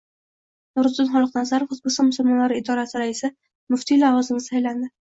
Nuriddin Xoliqnazarov O‘zbekiston musulmonlari idorasi raisi, muftiy lavozimiga saylandi